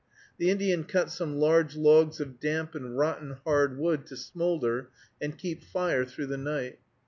The Indian cut some large logs of damp and rotten hard wood to smoulder and keep fire through the night.